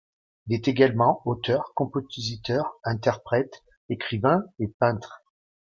Il est également auteur-compositeur-interprète, écrivain et peintre.